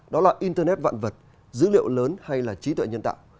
đó là internet vạn vật dữ liệu lớn hay là trí tuệ nhân tạo